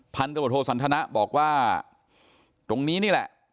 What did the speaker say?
พันธบทโทสันทนะบอกว่าตรงนี้นี่แหละ